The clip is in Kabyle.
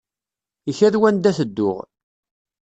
Ikad wanda tedduɣ.